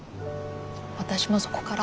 私もそこから。